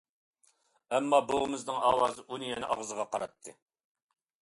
ئەمما بۈۋىمنىڭ ئاۋازى ئۇنى يەنە ئاغزىغا قاراتتى.